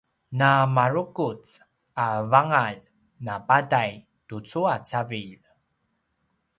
na marukuz a vangalj na padai tucu a cavilj